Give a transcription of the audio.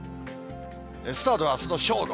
スタートはあすの正午。